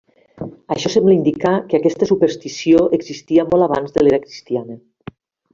Això sembla indicar que aquesta superstició existia molt abans de l'era cristiana.